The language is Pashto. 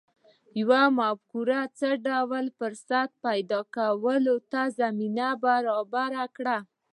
یوې مفکورې څه ډول فرصت پیدا کولو ته زمینه برابره کړه